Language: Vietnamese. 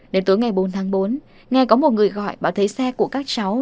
đến tối ngày bốn tháng bốn nghe có một người gọi báo thấy xe của các cháu